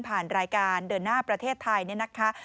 รายการเดินหน้าประเทศไทยเนี่ยนะคะ